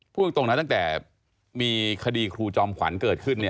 พูดตรงนะตั้งแต่มีคดีครูจอมขวัญเกิดขึ้น